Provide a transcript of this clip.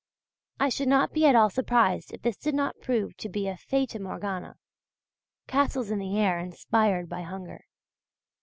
I should not be at all surprised if all this did not prove to be a Fata Morgana castles in the air inspired by hunger.